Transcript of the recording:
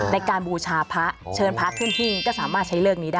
บูชาพระเชิญพระขึ้นที่ก็สามารถใช้เลิกนี้ได้